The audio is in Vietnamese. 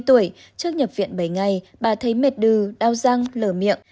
trước nhập viện bảy ngày bà thấy mệt đừ đau răng lở miệng